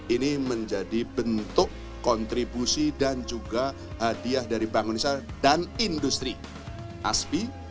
ini menjadi bentuk kontribusi dan juga hadiah dari bank indonesia dan industri aspi